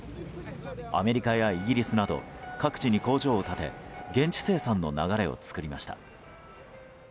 アメリカやイギリスなど各地に工場を建て現地生産の流れを作りました。